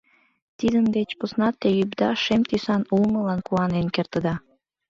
Тидын деч посна те ӱпда шем тӱсан улмылан куанен кертыда...